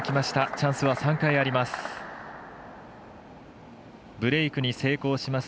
チャンスは３回あります。